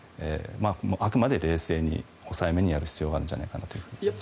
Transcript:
あくまで冷静に抑えめにやる必要があると思います。